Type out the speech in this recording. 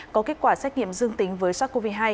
có kết quả xét nghiệm dương tính với sars cov hai